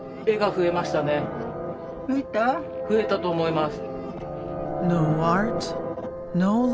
増えたと思います。